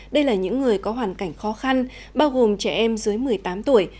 đây là những người có hoàn cảnh khó khăn bao gồm trẻ em dưới một mươi tám tuổi